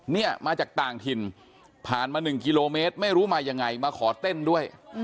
เนี่ยมาจากต่างถิ่นผ่านมา๑กิโลเมตรไม่รู้มายังไงมาขอเต้นด้วย